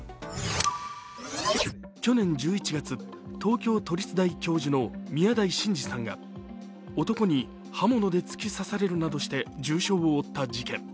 去年１１月、東京都立大教授の宮台真司さんが男に刃物で突き刺されるなどして重傷を負った事件。